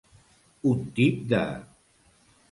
Un tip de.